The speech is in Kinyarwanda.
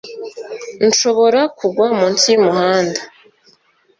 nshobora kugwa munsi y'umuhanda".